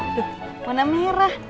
ada warna merah